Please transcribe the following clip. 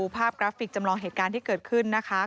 กราฟิกจำลองเหตุการณ์ที่เกิดขึ้นนะคะ